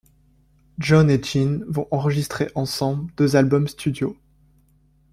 John & Jehn vont enregistrer ensemble deux albums studio.